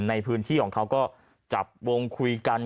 ในพื้นที่ของเขาก็จับวงคุยกัน